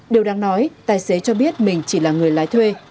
điều đáng nói tài xế cho biết mình chỉ là người lái thuê